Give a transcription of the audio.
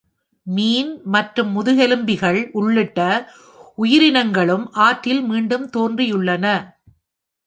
மீன் மற்றும் முதுகெலும்பிகள் உள்ளிட்ட உயிரினங்களும் ஆற்றில் மீண்டும் தோன்றியுள்ளன.